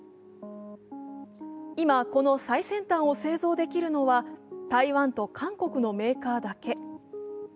今、この最先端を製造できるのは台湾と韓国のメーカーだけ。